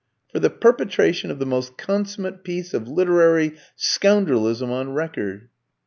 "For the perpetration of the most consummate piece of literary scoundrelism on record."